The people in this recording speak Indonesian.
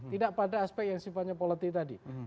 tidak pada aspek yang sifatnya politik tadi